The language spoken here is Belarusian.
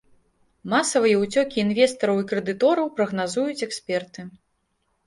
Масавыя уцёкі інвестараў і крэдытораў прагназуюць эксперты.